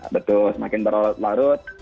betul semakin berlarut